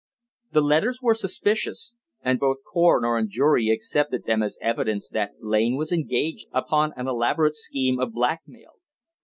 The letters were suspicious, and both coroner and jury accepted them as evidence that Lane was engaged upon an elaborate scheme of blackmail.